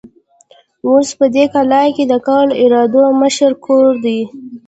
اوس په دې کلا کې د قول اردو د مشر کور دی.